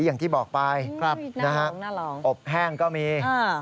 อย่างที่บอกไปอบแห้งก็มี